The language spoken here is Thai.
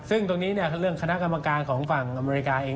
ซึ่งตรงนี้เรื่องคณะกรรมการของฝั่งอเมริกาเอง